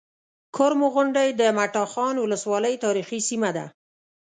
کرمو غونډۍ د مټاخان ولسوالۍ تاريخي سيمه ده